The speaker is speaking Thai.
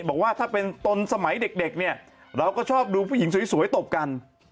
บอกว่าถ้าเป็นตนสมัยเด็กเนี่ยเราก็ชอบดูผู้หญิงสวยตบกัน